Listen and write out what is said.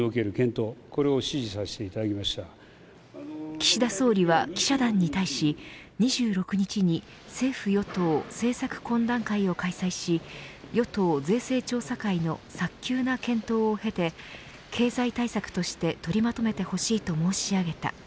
岸田総理は記者団に対し２６日に政府与党政策懇談会を開催し与党税制調査会の早急な検討を経て経済対策として取りまとめてほしいと申し上げた。